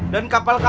dan kapal ini gagem